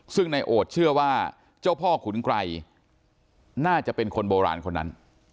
ซึ่งในโอดเชื่อว่าเจ้าพ่อขุนไกรน่าจะเป็นคนโบราณคนนั้น